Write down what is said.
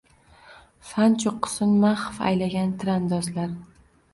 Fan cho‘qqisin mahv aylagan tirandozlar